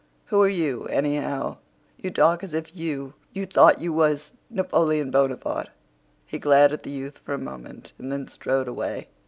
Who are you, anyhow? You talk as if you thought you was Napoleon Bonaparte." He glared at the youth for a moment, and then strode away.